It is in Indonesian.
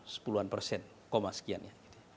sepuluhan persen sekian ya